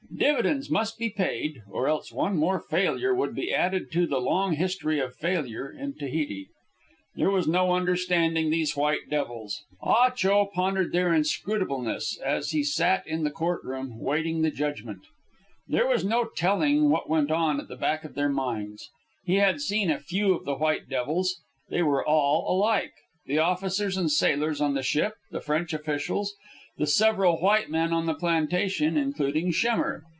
Dividends must be paid, or else one more failure would be added to the long history of failure in Tahiti. There was no understanding these white devils. Ah Cho pondered their inscrutableness as he sat in the court room waiting the judgment. There was no telling what went on at the back of their minds. He had seen a few of the white devils. They were all alike the officers and sailors on the ship, the French officials, the several white men on the plantation, including Schemmer.